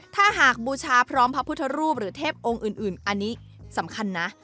ถ้าหากบูชาพร้อมพระพุทธรูปหรือเทพองค์อื่นอันนี้สำคัญนะ